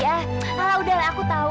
ya kalau udah aku tahu